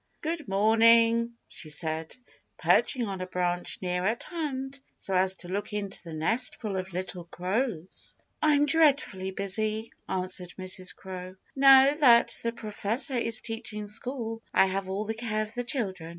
"Good morning," she said, perching on a branch near at hand so as to look into the nestful of little crows. "I'm dreadfully busy," answered Mrs. Crow. "Now that the Professor is teaching school, I have all the care of the children.